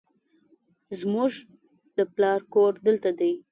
زموږ د پلار کور دلته دی